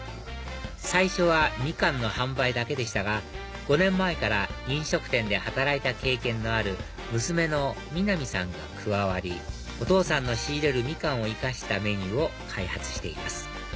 最初はみかんの販売だけでしたが５年前から飲食店で働いた経験のある娘の美波さんが加わりお父さんの仕入れるみかんを生かしたメニューを開発しています